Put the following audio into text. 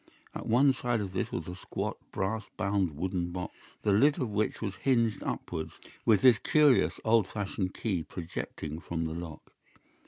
At one side of this was a squat, brass bound wooden box, the lid of which was hinged upwards, with this curious old fashioned key projecting from the lock.